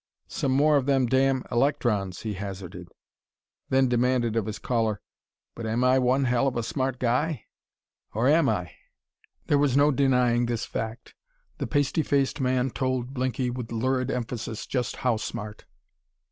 "Some more of them damn electrons," he hazarded; then demanded of his caller: "But am I one hell of a smart guy? Or am I?" There was no denying this fact. The pasty faced man told Blinky with lurid emphasis just how smart.